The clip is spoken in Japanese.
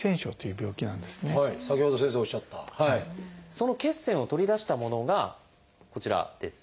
その血栓を取り出したものがこちらです。